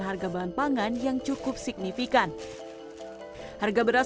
harga bahan pangan yang cukup signifikan harga beras